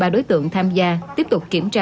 hai mươi ba đối tượng tham gia tiếp tục kiểm tra